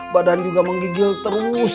badan juga menggigil terus